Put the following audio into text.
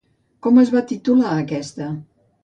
Com es va titular aquesta?